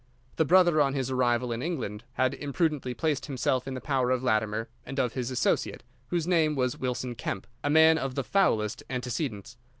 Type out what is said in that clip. The brother, on his arrival in England, had imprudently placed himself in the power of Latimer and of his associate, whose name was Wilson Kemp—a man of the foulest antecedents.